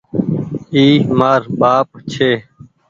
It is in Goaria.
اي مآر ٻآپ ڇي۔